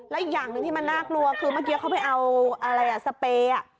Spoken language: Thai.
และอีกอย่างหนึ่งที่มันน่ากลัวคือเมื่อกี้เขาไปเอาอะไรอ่ะสเปรย์